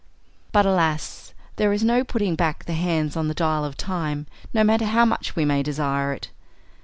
But, alas! there is no putting back the hands on the dial of time, no matter how much we may desire it.